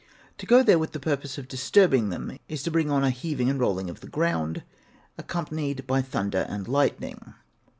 To go there with the purpose of disturbing them is to bring on a heaving and rolling of the ground, accompanied by thunder and lightning.